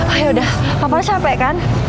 ayodah papa capek kan